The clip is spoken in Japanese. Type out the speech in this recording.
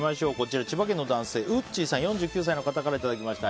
千葉県の男性、４９歳の方からいただきました。